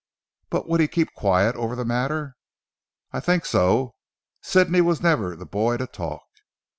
"But would he keep quiet over the matter?" "I think so. Sidney was never the boy to talk.